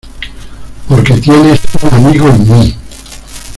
Porque tienes un amigo en mí.